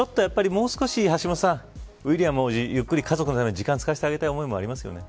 もう少し橋下さんウィリアム王子、ゆっくり家族のために時間を使わせてあげたい思いますね。